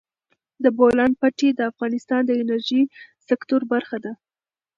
د بولان پټي د افغانستان د انرژۍ سکتور برخه ده.